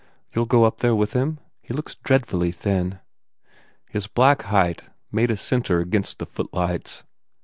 " You ll go up there with him? He looks dreadfully thin." His black height made a centre against the footlights.